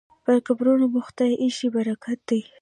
پر قبرونو مو خدای ایښی برکت دی